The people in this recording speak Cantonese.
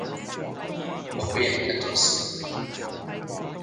我俾人 cut 左線